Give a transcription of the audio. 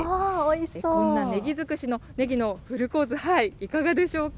こんなねぎ尽くしのねぎのフルコース、いかがでしょうか。